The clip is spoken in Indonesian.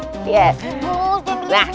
sibus jangan lagi